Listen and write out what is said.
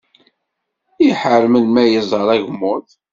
Iḥar melmi ara iẓer agmuḍ.